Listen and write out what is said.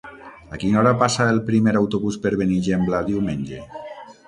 A quina hora passa el primer autobús per Benigembla diumenge?